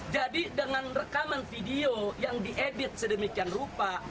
jadi dengan rekaman video yang diedit sedemikian rupa